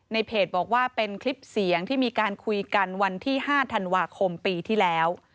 เพจบอกว่าเป็นคลิปเสียงที่มีการคุยกันวันที่๕ธันวาคมปีที่แล้ว